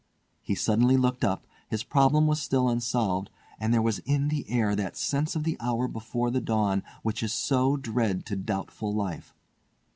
He suddenly looked up, his problem was still unsolved, and there was in the air that sense of the hour before the dawn, which is so dread to doubtful life.